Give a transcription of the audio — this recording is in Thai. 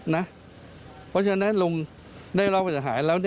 เพราะฉะนั้นลุงได้รับหายแล้ว